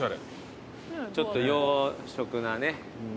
ちょっと洋食なね。